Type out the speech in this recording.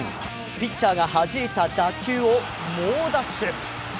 ピッチャーがはじいた打球を猛ダッシュ。